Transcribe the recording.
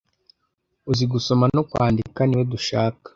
uzi gusoma no kwandika niwe dushaka